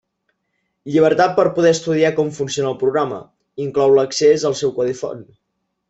Llibertat per poder estudiar com funciona el programa; inclou l'accés al seu codi font.